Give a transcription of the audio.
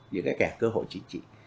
những cái kẻ cơ hội chính trị